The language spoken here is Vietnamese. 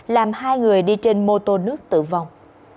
làm hai người đi trên mô tô nước tử vong